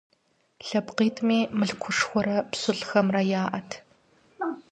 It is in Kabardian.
ЛъэпкъитӀми мылъкушхуэрэ пщылӀхэмрэ яӀэт.